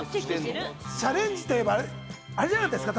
チャレンジと言えばあれじゃないですか？